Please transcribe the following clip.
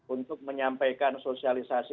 untuk menyampaikan sosialisasi